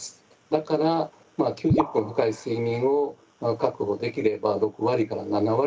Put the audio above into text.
だから９０分深い睡眠を確保できれば６割７割